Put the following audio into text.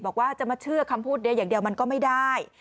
บอกว่าจะมาเชื่อคำพูดเดียวอย่างเดียวมันก็ไม่ได้